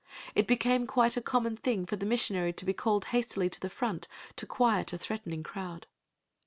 It became quite a common thing for the missionary to be called hastily to the front to quiet a threatening crowd.